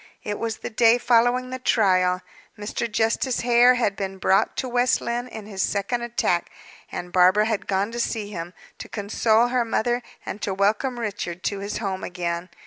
It was the day following the trial. Mr. Justice Hare had been brought to West Lynne in his second attack, and Barbara had gone to see him, to console her mother, and to welcome Richard to his home again.